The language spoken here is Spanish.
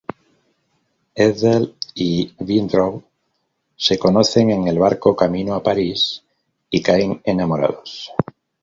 Ethel Y Winthrop se conocen en el barco camino a París y caen enamorados.